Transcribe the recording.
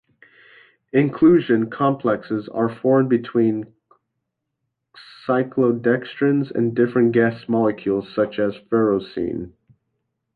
Inclusion complexes are formed between cyclodextrins and different guest molecules such as ferrocene.